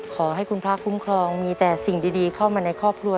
ขอให้คุณพระคุ้มครองมีแต่สิ่งดีเข้ามาในครอบครัว